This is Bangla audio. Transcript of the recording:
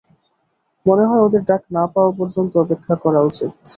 মনেহয়, ওদের ডাক না পাওয়া পর্যন্ত অপেক্ষা করা উচিত।